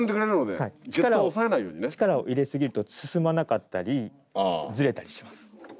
皆さん力を入れすぎると進まなかったりずれたりします。